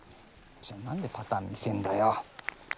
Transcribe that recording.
じゃあ何でパターン見せんだよ！